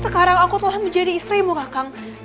sekarang aku telah menjadi istrimu kakang